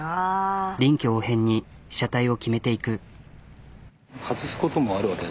臨機応変に被写体を決めていく。